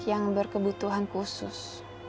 yang berkebutuhan khusus